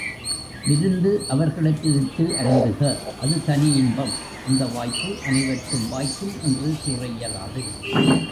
விருந்து அவர்களுக்கு இட்டு அருந்துக அது தனி இன்பம் அந்த வாய்ப்பு அனைவர்க்கும் வாய்க்கும் என்று கூற இயலாது.